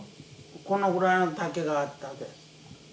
このぐらいの丈があったで。